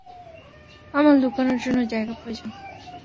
আমার লুকানোর জন্য জায়গা প্রয়োজন।